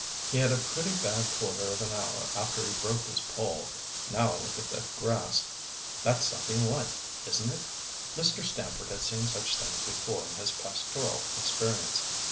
He had a pretty bad quarter of an hour after he broke his pole. Now look at the grass, that's something like, isn't it?" Mr. Stamford had seen such things before in his pastoral experience.